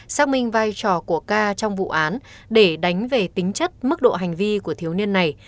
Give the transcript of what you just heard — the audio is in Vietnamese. xác minh vai trò của ca trong vụ án để đánh về tính chất mức độ hành vi của thiếu niên này